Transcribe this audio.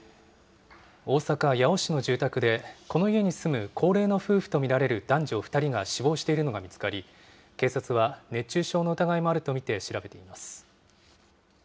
大阪・八尾市の住宅で、この家に住む高齢の夫婦と見られる男女２人が死亡しているのが見つかり、警察は熱中症の疑いもあると見て調べています。